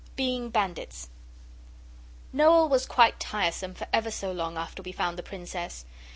BEING BANDITS Noel was quite tiresome for ever so long after we found the Princess.